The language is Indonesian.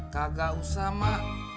kagak usah mak